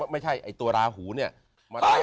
ไม่ใช่ไอ้ตัวราหูเนี่ย